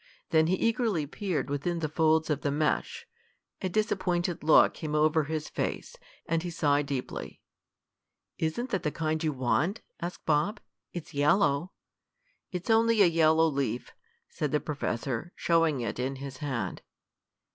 Then he eagerly peered within the folds of the mesh. A disappointed look came over his face, and he sighed deeply. "Isn't that the kind you want?" asked Bob. "It's yellow." "It's only a yellow leaf," said the professor, showing it in his hand.